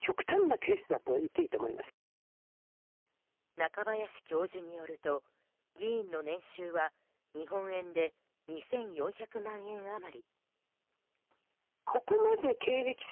中林教授によると議員の年収は日本円で２４００万円余り。